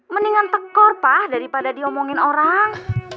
mendingan tekor pak daripada diomongin orang